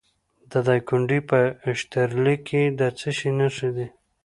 د دایکنډي په اشترلي کې د څه شي نښې دي؟